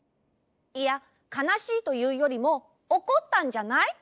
いやかなしいというよりもおこったんじゃない？